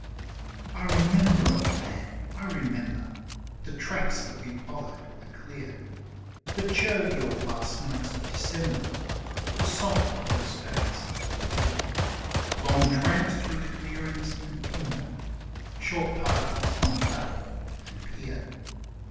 I remember, Old Man, I remember The tracks that we followed are clear The jovial last nights of December, The solemn first days of the year, Long tramps through the clearings and timber, Short partings on platform and pier.